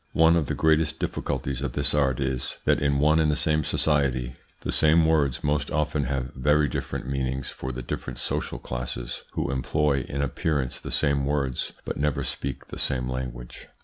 One of the greatest difficulties of this art is, that in one and the same society the same words most often have very different meanings for the different social classes, who employ in appearance the same words, but never speak the same language.